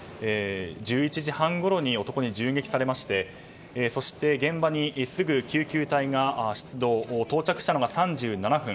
１１時半ごろに男に銃撃されましてそして現場にすぐ救急隊が出動到着したのが３７分。